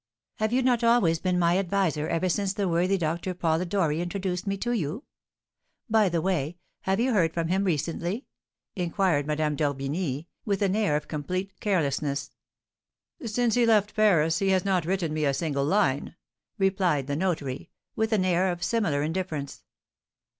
"Have you not always been my adviser ever since the worthy Doctor Polidori introduced me to you? By the way, have you heard from him recently?" inquired Madame d'Orbigny, with an air of complete carelessness. "Since he left Paris he has not written me a single line," replied the notary, with an air of similar indifference.